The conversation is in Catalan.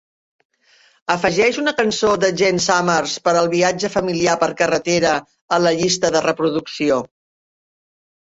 Afegeix una cançó de Gene Summers per al viatge familiar per carretera a la llista de reproducció